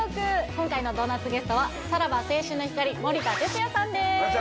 今回のドーナツゲストはさらば青春の光森田哲矢さんです